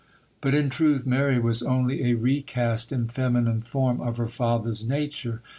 But, in truth, Mary was only a recast in feminine form of her father's nature.